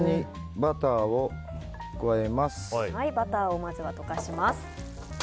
バターをまずは溶かします。